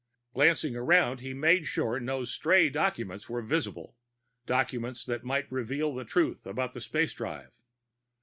Glancing around, he made sure no stray documents were visible, documents which might reveal the truth about the space drive.